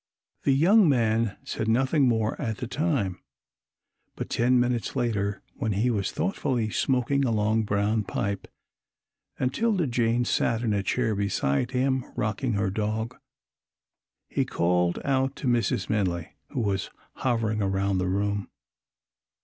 The young man said nothing more at the time, but ten minutes later, when he was thoughtfully smoking a long brown pipe, and 'Tilda Jane sat in a chair beside him, rocking her dog, he called out to Mrs. Minley, who was hovering about the room.